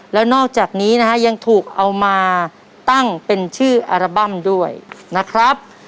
แล้วนอกจากนี้นะฮะยังถูกเอามาตั้งเป็นชื่ออัลบั้มด้วยนะครับ